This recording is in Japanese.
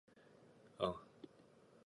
トカンティンス州の州都はパルマスである